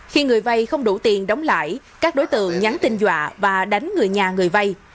khi người vay không đủ tiền đóng lại các đối tượng nhắn tin dọa và đánh người nhà người vay